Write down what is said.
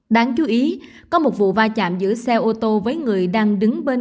đáng chú ý có một vụ va chạm giữa xe ô tô với người đang đứng bên